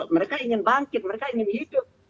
mereka ingin bangkit mereka ingin hidup